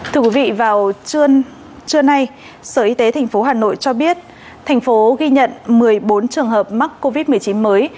thưa quý vị vào trưa nay sở y tế tp hà nội cho biết thành phố ghi nhận một mươi bốn trường hợp mắc covid một mươi chín mới